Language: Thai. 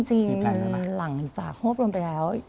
จริงหลังจากหวรวมไปแล้ว